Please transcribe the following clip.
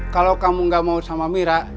kalau kamu gak mau sama mira